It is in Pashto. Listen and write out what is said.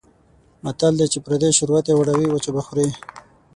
متل دی: چې پردۍ شوروا ته یې وړوې وچه به یې خورې.